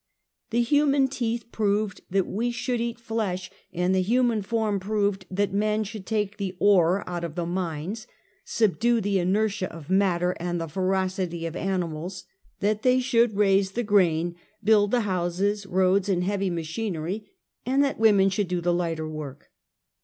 The human teeth proved that we should eat flesh, and the human form proved that men should take the ore out of the mines, subdue the inertia of matter and the ferocity of animals; that they should raise the grain, build the houses, roads and heavy machinery; and that women should do the lighter work.